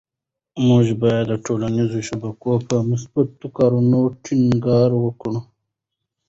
موږ باید د ټولنيزو شبکو په مثبت کارولو ټینګار وکړو.